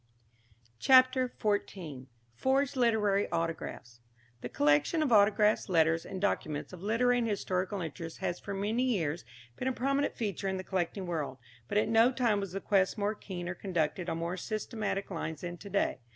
CHAPTER XIV. FORGED LITERARY AUTOGRAPHS. The collection of autographs, letters, and documents of literary and historical interest has for many years been a prominent feature in the collecting world, but at no time was the quest more keen or conducted on more systematic lines than to day.